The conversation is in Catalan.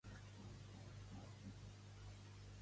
Informar rentar les disfresses a les cinc de la tarda de demà.